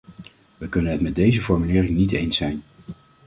Wij kunnen het met deze formulering niet eens zijn.